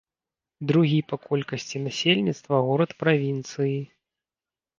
Другі па колькасці насельніцтва горад правінцыі.